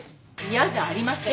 嫌じゃありません。